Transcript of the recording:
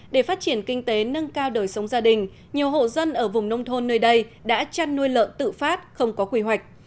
để phát triển kinh tế nâng cao đời sống gia đình nhiều hộ dân ở vùng nông thôn nơi đây đã chăn nuôi lợn tự phát không có quy hoạch